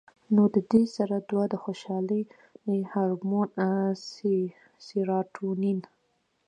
نو د دې سره دوه د خوشالۍ هارمون سېراټونین